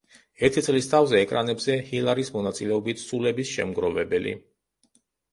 ერთი წლის თავზე ეკრანებზე ჰილარის მონაწილეობით „სულების შემგროვებელი“.